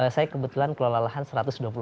saya kebetulan kelola lahan satu ratus dua puluh